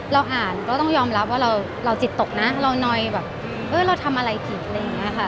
เราอ่านก็ต้องยอมรับว่าเราจิตตกนะเรานอยแบบเออเราทำอะไรผิดอะไรอย่างนี้ค่ะ